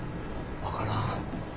分からん。